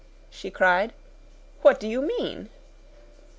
she cried. "What do you mean?"